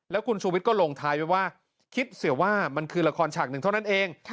แล้วคุณชูวิทย์ก็ลงท้ายไว้ว่าคิดเสียว่ามันคือละครฉากหนึ่งเท่านั้นเอง